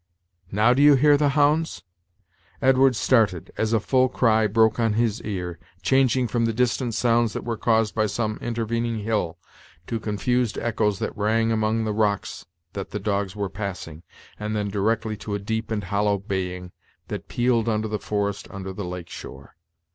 Now do you hear the hounds?" Edwards started, as a full cry broke on his ear, changing from the distant sounds that were caused by some intervening hill, to confused echoes that rang among the rocks that the dogs were passing, and then directly to a deep and hollow baying that pealed under the forest under the Lake shore.